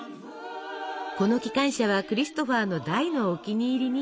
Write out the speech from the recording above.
この機関車はクリストファーの大のお気に入りに。